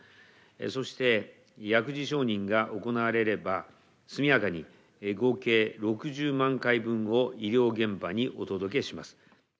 そして薬事承認が行われれば速やかに合計６０万回分を医療現場にお届けします。